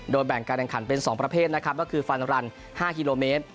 แบ่งการแข่งขันเป็น๒ประเภทนะครับก็คือฟันรัน๕กิโลเมตร